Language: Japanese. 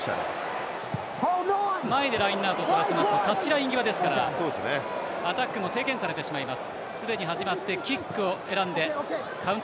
前でラインアウトとらせますとタッチライン際なのでアタックも制限されてしまいます。